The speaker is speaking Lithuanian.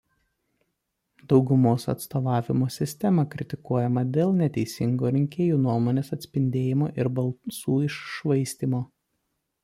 Daugumos atstovavimo sistema kritikuojama dėl neteisingo rinkėjų nuomonės atspindėjimo ir balsų "iššvaistymo".